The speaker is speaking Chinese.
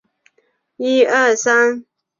任广西临桂县知县。